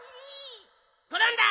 ころんだ！